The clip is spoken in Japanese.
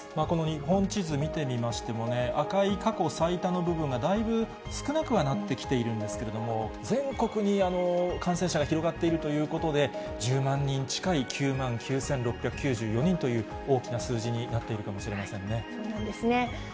この日本地図見てみましてもね、赤い過去最多の部分がだいぶ少なくはなってきているんですけれども、全国に感染者が広がっているということで、１０万人近い９万９６９４人という大きな数字になっているかもしそうなんですね。